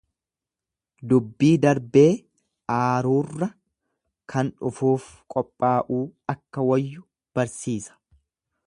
Dubbii darbee aaruurra kan dhufuuf qophaa'uu akka wayyu barsiisa.